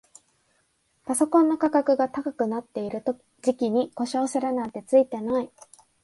パソコンの価格が高くなってる時期に故障するなんてツイてない